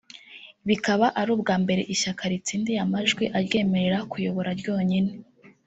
bikaba ari ubwambere ishyaka ritsindiye amajwi aryemerera kuyobora ryonyine